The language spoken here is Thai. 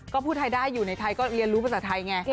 ก็พูดไทยได้อยู่ในไทยก็เรียนรู้ภาษาไทยไง